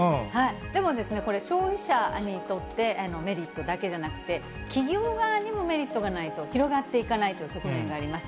でも、これ、消費者にとってメリットだけじゃなくて、企業側にもメリットがないと広がっていかないという側面があります。